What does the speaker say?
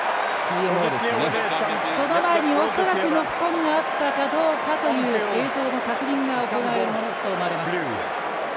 その前に恐らくノックオンがあったかどうか映像の確認が行われると思われます。